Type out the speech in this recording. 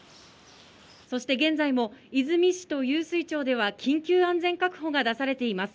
そして現在も、出水市と湧水町では緊急安全確保が出されています。